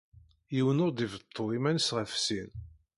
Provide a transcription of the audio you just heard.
Yiwen ur d-ibeṭṭu iman-is ɣef sin.